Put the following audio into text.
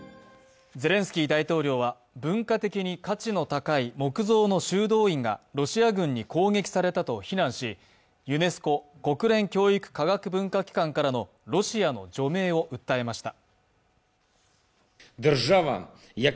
ゼレンスキー大統領は文化的に価値の高い木造の修道院がロシア軍に攻撃されたと非難しユネスコ＝国連教育科学文化機関からのロシアの除名を訴えました。